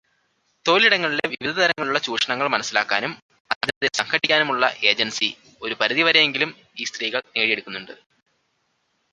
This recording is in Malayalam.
തൊഴിലിടങ്ങളിലെ വിവിധതരത്തിലുള്ള ചൂഷണങ്ങൾ മനസ്സിലാക്കാനും അതിനെതിരെ സംഘടിക്കാനുമുള്ള 'ഏജൻസി' ഒരുപരിധി വരെയെങ്കിലും ഈ സ്ത്രീകൾ നേടിയെടുക്കുന്നുണ്ട്.